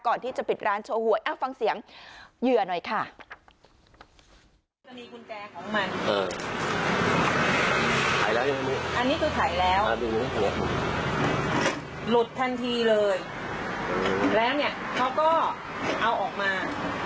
ก่อนที่จะปิดร้านโชว์หวยฟังเสียงเหยื่อหน่อยค่ะ